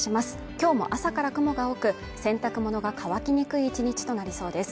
今日も朝から雲が多く洗濯物が乾きにくい１日となりそうです